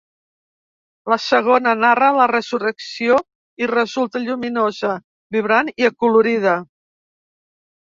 La segona narra la Resurrecció i resulta lluminosa, vibrant i acolorida.